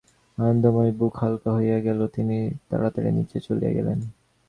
আনন্দময়ীর বুক হালকা হইয়া গেল– তিনি তাড়াতাড়ি নীচে চলিয়া গেলেন।